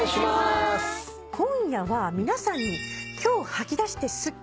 今夜は皆さんに。